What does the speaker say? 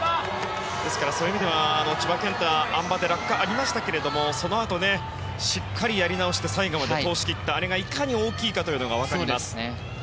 そういう意味では千葉健太あん馬で落下がありましたがそのあと、しっかりやり直して最後まで通し切ったあれがいかに大きいかというのが分かります。